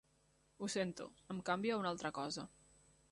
Ho sento, em canvio a una altra cosa.